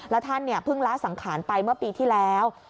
แล้วท่านเพิ่งละสังขารไปเมื่อปีที่แล้ว